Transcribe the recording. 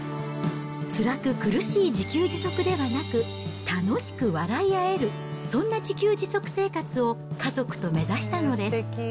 つらく苦しい自給自足ではなく、楽しく笑い合える、そんな自給自足生活を家族と目指したのです。